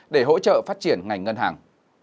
để hỗ trợ phát triển ngành ngân hàng